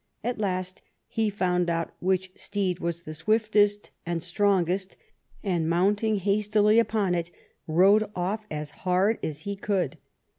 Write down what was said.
At last he found out which steed was the swiftest and strongest, and, mounting hastily upon it, rode off as hard as he could.